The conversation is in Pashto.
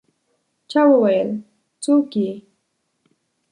چا وویل: «څوک يې؟»